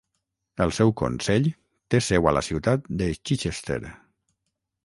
El seu consell té seu a la ciutat de Chichester.